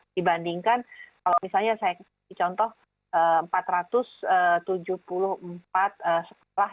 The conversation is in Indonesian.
dibandingkan kalau misalnya saya kasih contoh empat ratus tujuh puluh empat sekolah